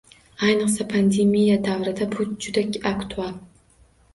Ayniqsa pandemiya davrida bu juda aktual.